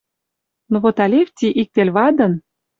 Но вот Алефти ик тел вадын